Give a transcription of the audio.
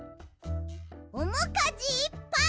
おもかじいっぱい！